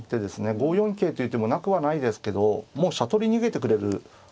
５四桂という手もなくはないですけどもう飛車取り逃げてくれる。